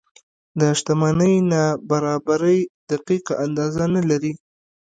د شتمنۍ نابرابرۍ دقیقه اندازه نه لري.